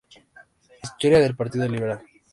Historia del Partido Liberal.